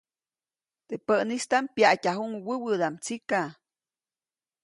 Teʼ päʼnistaʼm pyaʼtyajuʼuŋ wäwädaʼm tsika.